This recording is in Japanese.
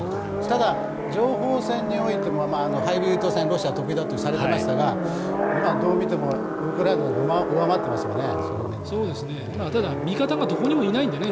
ただ、情報戦においてもロシアはハイブリッド戦が得意だとされていましたがどう見てもウクライナが上回っていますよね